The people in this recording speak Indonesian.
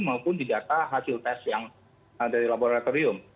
maupun di data hasil tes yang ada di laboratorium